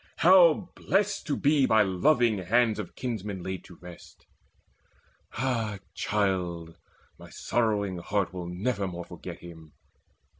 How blest to be By loving hands of kinsmen laid to rest! Ah child, my sorrowing heart will nevermore Forget him!